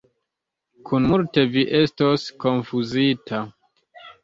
Kun multe vi estos konfuzita.